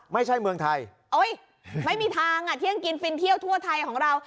ไม่ใช่เมืองไทยไม่มีทางเที่ยงกินฟินเที่ยวทั่วไทยของเรา